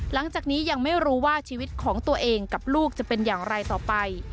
หลังจากนี้ยังไม่รู้ว่าชีวิตของตัวเองกับลูกจะเป็นอย่างไรต่อไป